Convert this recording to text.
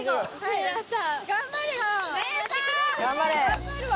頑張るわ。